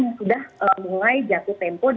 yang sudah mulai jatuh tempo